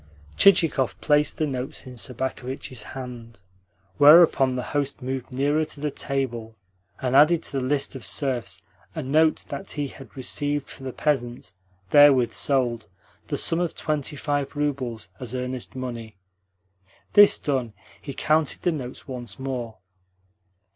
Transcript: Chichikov placed the notes in Sobakevitch's hand; whereupon the host moved nearer to the table, and added to the list of serfs a note that he had received for the peasants, therewith sold, the sum of twenty five roubles, as earnest money. This done, he counted the notes once more.